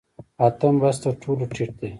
اتم بست تر ټولو ټیټ دی